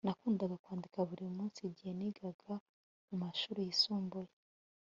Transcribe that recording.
Nakundaga kwandika buri munsi igihe nigaga mumashuri yisumbuye